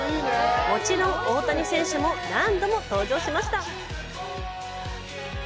もちろん、大谷選手も何度も登場しました。